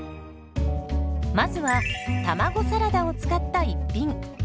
まずは卵サラダを使った一品。